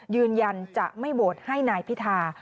ยืนยันจะไม่โหวตให้นายพิธา